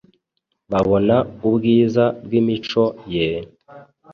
Babona ubwiza bw’imico ye,